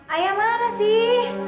ayah mana sih